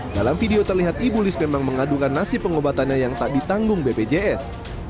dalam video terlihat ibu lis memang mengadukan nasib pengobatannya yang tak ditanggung bpjs